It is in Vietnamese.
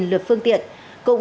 ừ vội quá